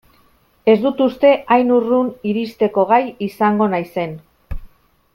Ez dut uste hain urrun iristeko gai izango naizen.